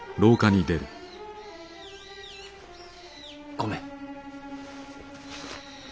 御免。